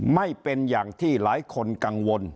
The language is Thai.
ไม่เป็นอย่างที่หลายคนกังวล